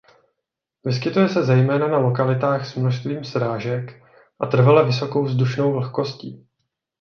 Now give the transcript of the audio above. Vyskytuje se zejména na lokalitách s množstvím srážek a trvale vysokou vzdušnou vlhkostí.